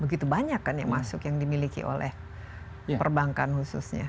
begitu banyak kan yang masuk yang dimiliki oleh perbankan khususnya